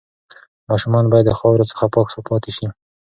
ماشومان باید د خاورو څخه پاک پاتې شي.